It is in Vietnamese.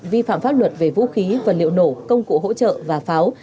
vi phạm pháp luật về vũ khí vật liệu nổ công cụ hỗ trợ và pháo